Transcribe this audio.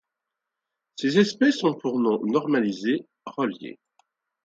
Ces espèces ont pour nom normalisé rollier.